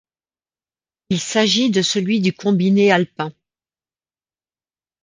Il s'agit de celui du combiné alpin.